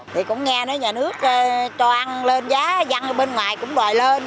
thì cũng nghe nói nhà nước cho ăn lên giá dân ở bên ngoài cũng đòi lên